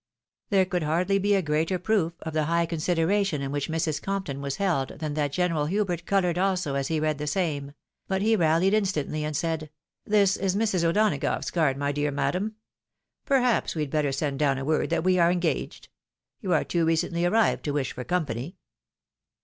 There could hardly be a greater proof of the high considera tion in which Mrs. Compton was held, than that General Hubert coloured also as he read the same ; but he rallied in stantly, and said, " This is Mrs. O'Donagough's card, my dear madam. Perhaps' we had better send down word that we are engaged? You are too recently arrived to wish for company."